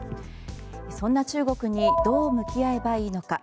そんな中国にどう向き合えばいいのか。